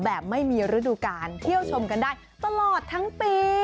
แบบไม่มีฤดูการเที่ยวชมกันได้ตลอดทั้งปี